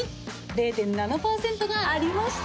０．７％がありました！